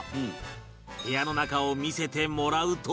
部屋の中を見せてもらうと